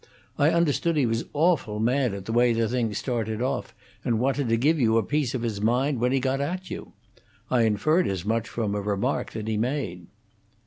I understood he was awful mad at the way the thing started off, and wanted to give you a piece of his mind, when he got at you. I inferred as much from a remark that he made."